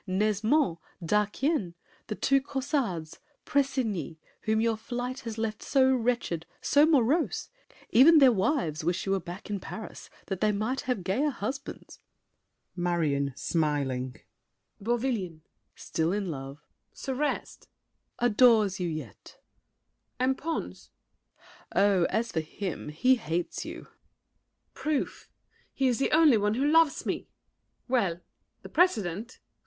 Nesmond, D'Arquien, The two Caussades, Pressigny, whom your flight Has left so wretched, so morose, even Their wives wish you were back in Paris, that They might have gayer husbands! MARION (smiling). Beauvillain? SAVERNY. Is still in love. MARION. Cereste? SAVERNY. Adores you yet. MARION. And Pons? SAVERNY. Oh, as for him, he hates you! MARION. Proof He is the only one who loves me! Well, The President?